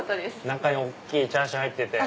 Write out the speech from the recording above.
中に大きいチャーシュー入ってて。